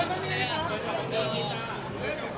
มันยอดทั้งประโยคเกิด